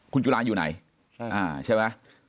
คุณจุลาอยู่ไหนใช่ไหม